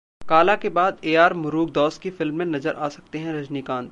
'काला' के बाद एआर मुरुगदौस की फिल्म में नजर आ सकते हैं रजनीकांत